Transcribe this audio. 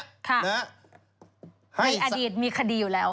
ในอดีตมีคดีอยู่แล้ว